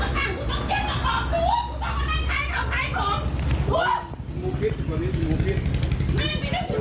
เมื่อเมื่อเมื่อเมื่อเมื่อ